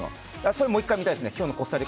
それをもう１回見てみたいです。